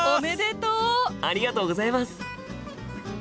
ありがとうございます！